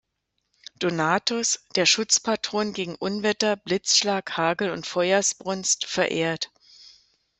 Donatus, der Schutzpatron gegen Unwetter, Blitzschlag, Hagel und Feuersbrunst, verehrt.